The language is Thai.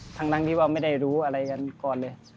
ทั้งที่ว่าไม่ได้รู้อะไรกันก่อนเลย